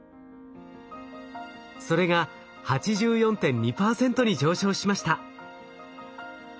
それが８４．２％に上昇しました。